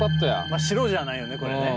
まあ白じゃないよねこれね。